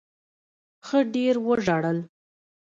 ښه ډېر وژړل.